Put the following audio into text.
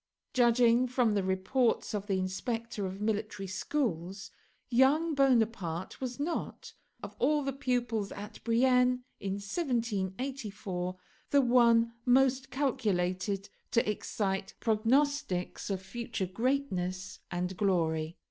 Judging from the reports of the inspector of military schools, young Bonaparte was not, of all the pupils at Brienne in 1784, the one most calculated to excite prognostics of future greatness and glory.